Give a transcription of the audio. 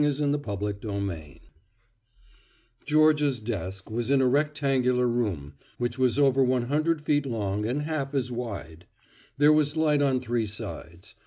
III AN ECONOMIC UNIT Georgia's desk was in a rectangular room which was over one hundred feet long and half as wide. There was light on three sides.